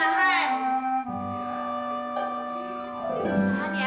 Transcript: tahan ya tahan ya